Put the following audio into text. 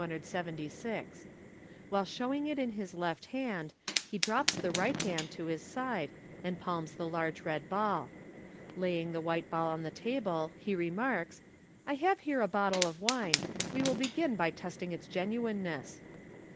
While showing it in his left hand, he drops the right hand to his side, and palms the large red ball. Laying the white ball on his table, he remarks, " I have here a bottle of wine. We will begin by testing its genuineness."